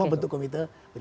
lima bentuk komite